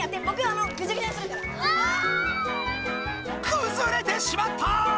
くずれてしまった！